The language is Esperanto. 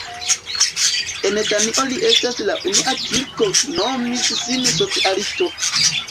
En Danio li estas la unua kiu nomis sin socialisto.